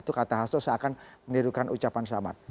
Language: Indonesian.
itu kata hasto seakan menirukan ucapan selamat